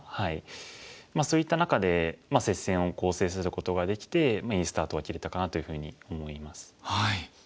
そういった中で接戦を制することができていいスタートが切れたかなというふうに思います。